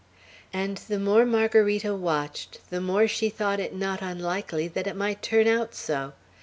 And the more Margarita watched, the more she thought it not unlikely that it might turn out so.